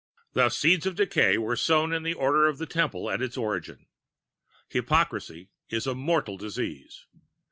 ] "The seeds of decay were sown in the Order of the Temple at its origin. Hypocrisy is a mortal disease.